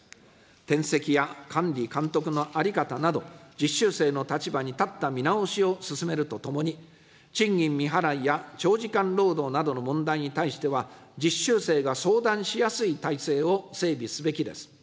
転籍や管理監督の在り方など、実習生の立場に立った見直しを進めるとともに、賃金未払いや長時間労働などの問題に対しては、実習生が相談しやすい体制を整備すべきです。